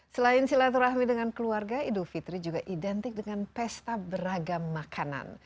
selain silaturahmi dengan keluarga idul fitri juga identik dengan pesta beragam makanan